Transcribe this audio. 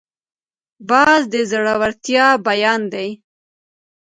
باز د زړورتیا بیان دی